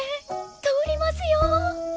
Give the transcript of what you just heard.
通りますよ。